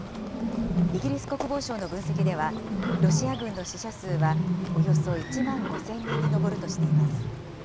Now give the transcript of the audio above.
イギリス国防省の分析では、ロシア軍の死者数はおよそ１万５０００人に上るとしています。